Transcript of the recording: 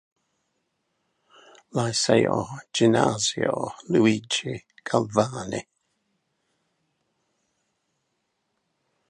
Liceo Ginnasio Luigi Galvani.